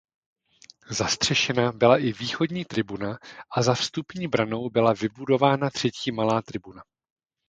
Zastřešena byla i východní tribuna a za vstupní branou byla vybudována třetí malá tribuna.